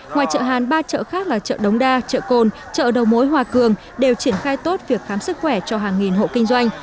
ngoài chợ hàn ba chợ khác là chợ đống đa chợ cồn chợ đầu mối hòa cường đều triển khai tốt việc khám sức khỏe cho hàng nghìn hộ kinh doanh